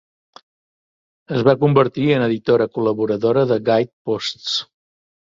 Es va convertir en editora col·laboradora de "Guideposts".